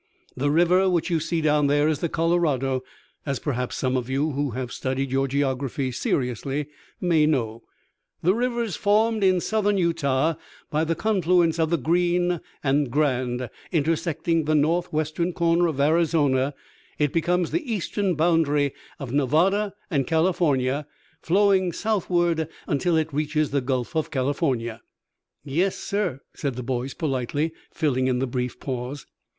The river which you see down there is the Colorado. As perhaps some of you, who have studied your geography seriously, may know, the river is formed in southern Utah by the confluence of the Green and Grand, intersecting the north western corner of Arizona it becomes the eastern boundary of Nevada and California, flowing southward until it reaches the Gulf of California." "Yes, sir," said the boys politely, filling in a brief pause.